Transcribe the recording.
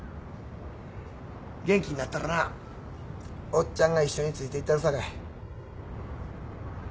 元気になったらなおっちゃんが一緒についていったるさかい。